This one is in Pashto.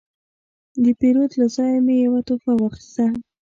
د پیرود له ځایه مې یو تحفه واخیسته.